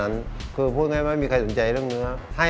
นักศึกษาล้ีกี่เหนือง